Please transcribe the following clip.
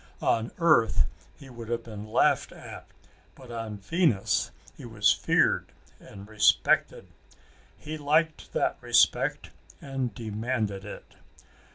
On earth he would have been laughed at, but on Venus he was feared and respected. He liked that respect and demanded it.